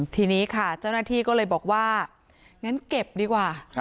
ทีนี้ค่ะเจ้าหน้าที่ก็เลยบอกว่างั้นเก็บดีกว่า